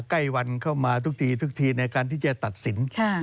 ใกล้วันเข้ามาทุกทีทุกทีในการที่จะตัดสิน